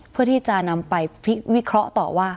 เพื่อที่จะนำไปวิเคราะห์ต่อว่า